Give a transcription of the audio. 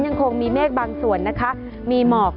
ยังคงมีเมฆบางส่วนนะคะมีหมอก